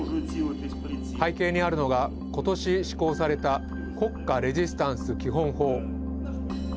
背景にあるのが、今年施行された国家レジスタンス基本法。